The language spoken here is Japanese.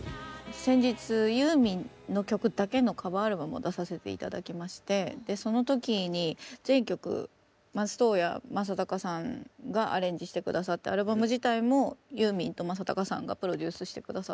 先日ユーミンの曲だけのカバーアルバムを出させて頂きましてでその時に全曲松任谷正隆さんがアレンジして下さってアルバム自体もユーミンと正隆さんがプロデュースして下さったんですけど。